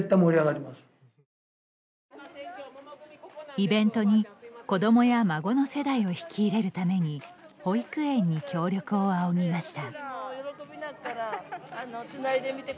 イベントに、子どもや孫の世代を引き入れるために保育園に協力を仰ぎました。